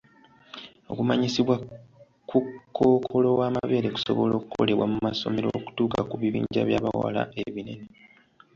Okumanyisibwa ku kkookola w'amabeere kusobola okukolebwa mu masomero okutuuka ku bibinja by'abawala ebinene.